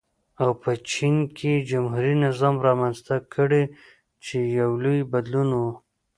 او په چین کې جمهوري نظام رامنځته کړي چې یو لوی بدلون و.